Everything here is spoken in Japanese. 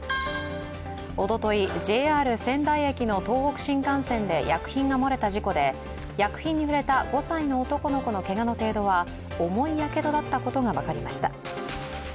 おととい、ＪＲ仙台駅の東北新幹線で薬品が漏れた事故で、薬品に触れた５歳の男の子のけがの程度は、重いやけどだったことが分かりました。